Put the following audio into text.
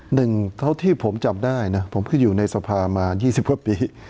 หนึ่งเท่าที่ผมจับได้นะผมก็อยู่ในสภามา๒๐กว่าปี